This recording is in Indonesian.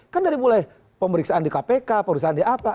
kan dari mulai pemeriksaan di kpk pemeriksaan di apa